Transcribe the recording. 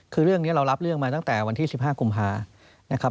คือเรื่องนี้เรารับเรื่องมาตั้งแต่วันที่๑๕กุมภานะครับ